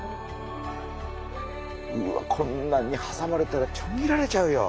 うわこんなんにはさまれたらちょん切られちゃうよ。